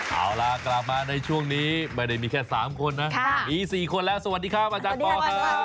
เอาล่ะกลับมาในช่วงนี้ไม่ได้มีแค่๓คนนะมี๔คนแล้วสวัสดีครับอาจารย์ปอลครับ